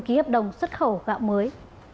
ký hợp đồng xuất khẩu gạo mới